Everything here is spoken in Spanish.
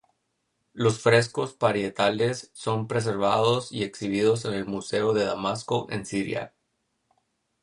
Los frescos parietales son preservados y exhibidos en el Museo de Damasco, en Siria.